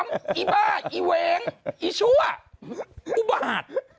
ไอ้บ้าไอ้เวงไอ้ชัวร์